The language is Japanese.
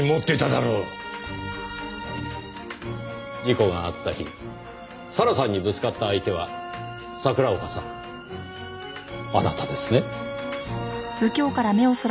事故があった日咲良さんにぶつかった相手は桜岡さんあなたですね？